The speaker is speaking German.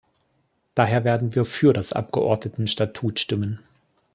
Daher werden wir für das Abgeordnetenstatut stimmen.